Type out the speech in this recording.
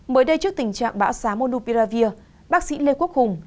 mới đây trước tình trạng bão xá monopiravir bác sĩ lê quốc hùng